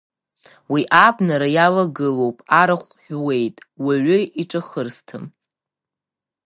Уи абнара илагылоуп, арахә ҳәуеит, уаҩы иҿахырсҭам.